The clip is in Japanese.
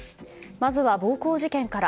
まずは、暴行事件から。